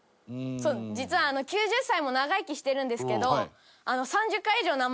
実は９０歳も長生きしてるんですけど３０回以上名前